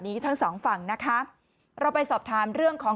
ทั้งสองฝั่งนะคะเราไปสอบถามเรื่องของ